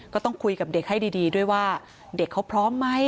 ก็ต้องคุยกับเด็กให้ดีด้วยว่าเด็กเขาพร้อมไหม